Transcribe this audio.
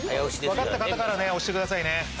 分かった方から押してくださいね。